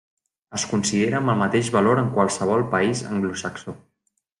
Es considera amb el mateix valor en qualsevol país anglosaxó.